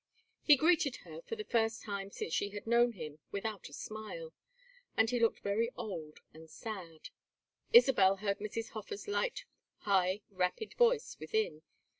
He greeted her for the first time since she had known him without a smile; and he looked very old and sad. Isabel heard Mrs. Hofer's light high rapid voice within.